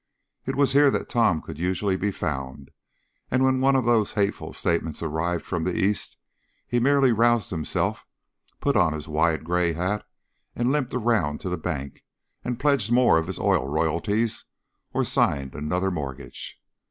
It was here that Tom could usually be found, and when one of those hateful statements arrived from the East he merely roused himself, put on his wide gray hat, limped around to the bank, and pledged more of his oil royalties or signed another mortgage.